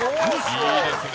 いいですね。